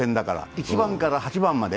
１番から８番まで。